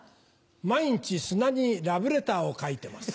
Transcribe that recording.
毎日砂にラブレターを書いてます。